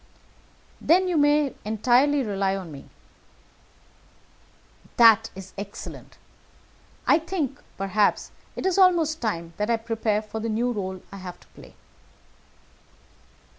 "Then you may entirely rely on me." "That is excellent. I think, perhaps, it is almost time that I prepared for the new rôle I have to play."